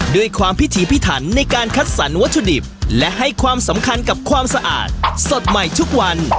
ด้วยความพิถีพิถันในการคัดสรรวัตถุดิบและให้ความสำคัญกับความสะอาดสดใหม่ทุกวัน